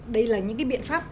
đây là những biện pháp